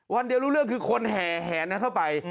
วันเดียวรู้เรื่องคือคนแห่แหนนะเข้าไป